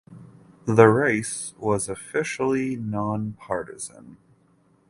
The race was officially nonpartisan.